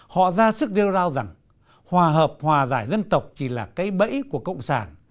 họ ra sức rêu rao rằng hòa hợp hòa giải dân tộc chỉ là cây bẫy của cộng sản